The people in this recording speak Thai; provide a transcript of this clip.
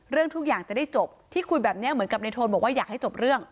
เรื่องทุกอย่างจะได้จบที่คุยแบบนี้เหมือนกับในโทนบอกว่าอยากให้จบเรื่อง